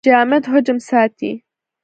جامد حجم ساتي.